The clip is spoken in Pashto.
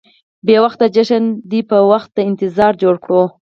بې وخته جشن دې په وخت د انتظار جوړ کړو.